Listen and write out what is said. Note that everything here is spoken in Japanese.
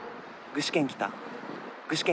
具志堅来た。